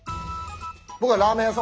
僕はラーメン屋さん。